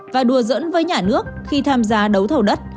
và đùa dẫn với nhà nước khi tham gia đấu thầu đất